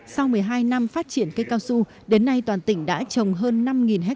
sau một mươi hai năm phát triển cây cao su đến nay toàn tỉnh đã trồng hơn năm ha